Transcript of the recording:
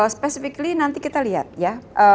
spesifikly nanti kita lihat ya